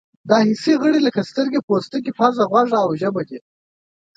دا حسي غړي لکه سترګې، پوستکی، پزه، غوږ او ژبه دي.